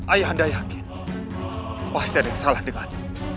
ayah anda yakin pasti ada yang salah dengannya